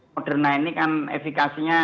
moderna ini kan efekasinya